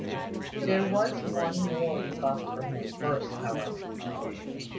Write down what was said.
There was one more rebuff for him, first, however.